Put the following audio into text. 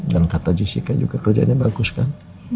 dan kata jessica juga kerjaannya bagus kan